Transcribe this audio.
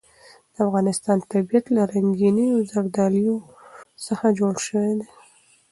د افغانستان طبیعت له رنګینو زردالو څخه جوړ شوی دی.